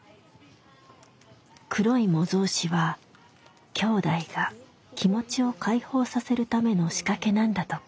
黒い模造紙はきょうだいが気持ちを解放させるための仕掛けなんだとか。